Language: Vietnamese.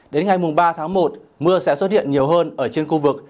đến ngày ba tháng một mưa sẽ xuất hiện nhiều hơn ở trên khu vực